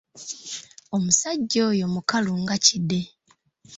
Omusajja oyo mukalu ng'kide.